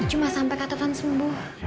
cuma sampai kak taufan sembuh